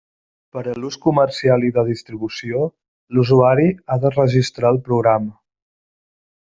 Per a l'ús comercial i de distribució, l'usuari ha de registrar el programa.